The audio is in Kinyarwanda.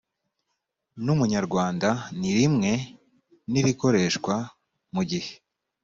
n umunyarwanda ni rimwe n irikoreshwa mu gihe